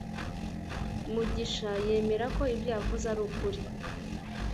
mugishayemera ko ibyo yavuze ari ukuri